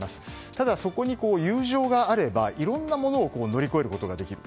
ただ、そこに友情があればいろんなものを乗り越えることができる。